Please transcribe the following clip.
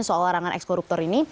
soal larangan ekskoruptor ini